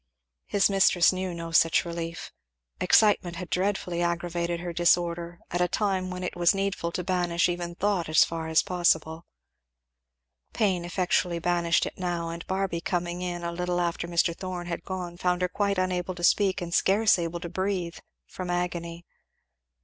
His mistress knew no such relief. Excitement had dreadfully aggravated her disorder, at a time when it was needful to banish even thought as far as possible. Pain effectually banished it now, and Barby coming in a little after Mr. Thorn had gone found her quite unable to speak and scarce able to breathe, from agony.